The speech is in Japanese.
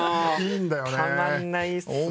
たまんないですね。